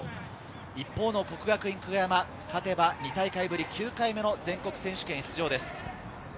一方の國學院久我山、勝てば２大会ぶり９回目の全国選手権出場です。